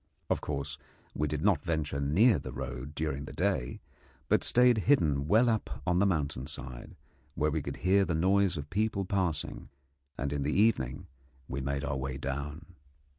Of course, we did not venture near the road during the day, but stayed hidden well up on the mountain side, where we could hear the noise of people passing, and in the evening we made our way down.